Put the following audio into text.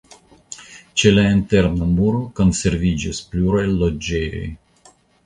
Ĉe la interna muro konserviĝis pluraj loĝejoj.